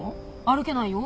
歩けないよ。